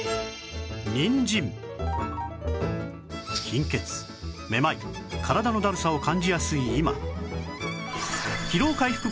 貧血めまい体のだるさを感じやすい今